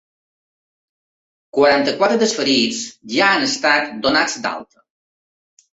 Quaranta-quatre dels ferits ja han estat donats d’alta.